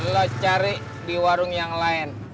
lost cari di warung yang lain